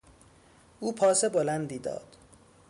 او پاس بلندی داد.